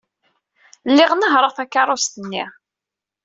Lliɣ nehhṛeɣ takeṛṛust-nni.